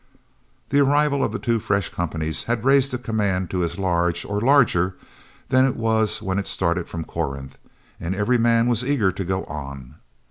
The arrival of the two fresh companies had raised the command to as large, or larger, than it was when it started from Corinth, and every man was eager to go on.